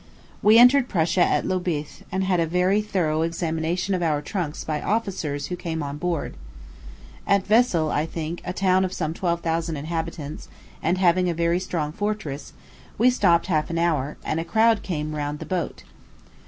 We entered Prussia at Lobith, and had a very thorough examination of our trunks by officers who came on board. At Wesel a town, I think, of some twelve thousand inhabitants, and having a very strong fortress we stopped half an hour, and a crowd came round the boat.